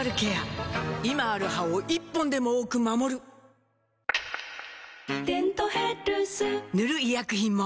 今ある歯を１本でも多く守る「デントヘルス」塗る医薬品も